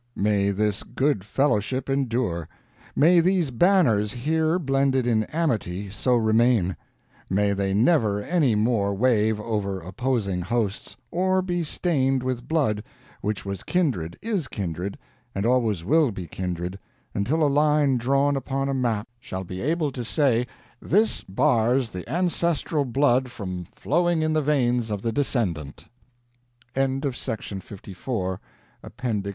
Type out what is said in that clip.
May this good fellowship endure; may these banners here blended in amity so remain; may they never any more wave over opposing hosts, or be stained with blood which was kindred, is kindred, and always will be kindred, until a line drawn upon a map shall be able to say: "THIS bars the ancestral blood from flowing in the veins of the descendant!" APPEN